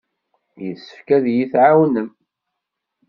Yessefk ad iyi-tɛawnem.